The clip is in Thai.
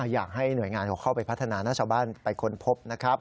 อยากให้หน่วยงานเขาเข้าไปพัฒนานะชาวบ้านไปค้นพบนะครับ